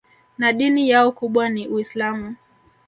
Na dini yao kubwa ni Uislamu